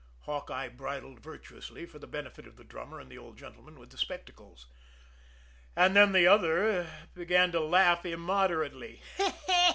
Hawkeye bridled virtuously for the benefit of the drummer and the old gentleman with the spectacles. And then the other began to laugh immoderately.